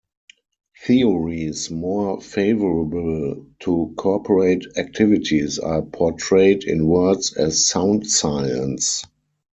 Theories more favorable to corporate activities are portrayed in words as sound science.